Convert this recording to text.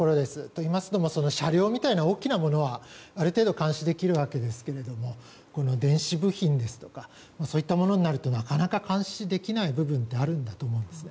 といいますのも車両みたいな大きなものはある程度監視できますが電子部品やそういった小さなものになるとなかなか監視できない部分があるんだと思います。